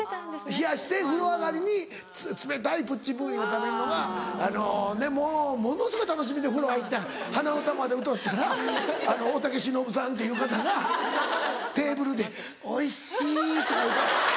冷やして風呂上がりに冷たいプッチンプリンを食べんのがもうものすごい楽しみで風呂入って鼻歌まで歌うたら大竹しのぶさんっていう方がテーブルで「おいしい」とか言うて。